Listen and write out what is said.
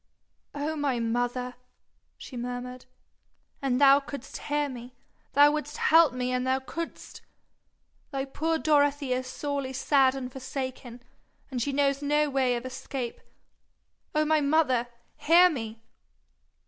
'Oh my mother!' she murmured, 'an' thou couldst hear me, thou wouldst help me an' thou couldst. Thy poor Dorothy is sorely sad and forsaken, and she knows no way of escape. Oh my mother, hear me!'